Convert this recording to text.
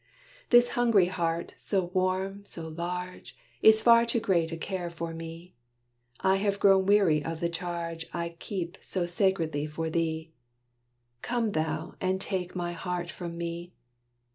This hungry heart, so warm, so large, Is far too great a care for me. I have grown weary of the charge I keep so sacredly for thee. Come thou, and take my heart from me.